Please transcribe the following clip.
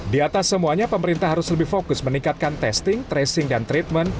di atas semuanya pemerintah harus lebih fokus meningkatkan testing tracing dan treatment